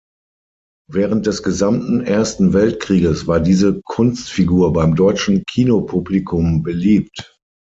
Während des gesamten Ersten Weltkrieges war diese Kunstfigur beim deutschen Kinopublikum beliebt.